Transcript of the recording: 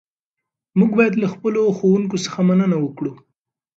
موږ باید له خپلو ښوونکو څخه مننه وکړو.